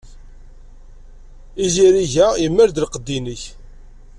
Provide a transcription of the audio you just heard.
Izirig-a yemmal-d lqedd-nnek.